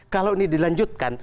kalau ini dilanjutkan